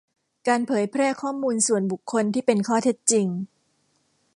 การเผยแพร่ข้อมูลส่วนบุคคลที่เป็นข้อเท็จจริง